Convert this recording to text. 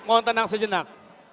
mohon tenang sejenak